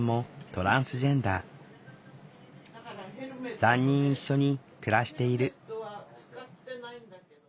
３人一緒に暮らしている。